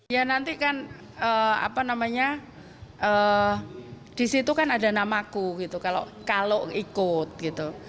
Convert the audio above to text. ya nanti kan apa namanya disitu kan ada namaku gitu kalau ikut gitu